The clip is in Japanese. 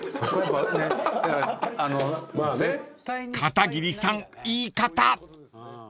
［片桐さん言い方］